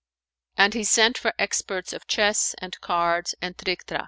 And he sent for experts of chess and cards[FN#448] and trictrac.